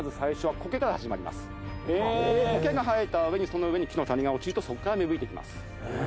コケが生えた上にその上に木の種が落ちるとそこから芽吹いてきます。